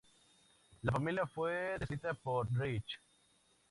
La familia fue descrita por Rich.